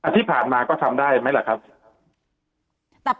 ที่ผ่านมาก็ทำได้ไหมล่ะครับ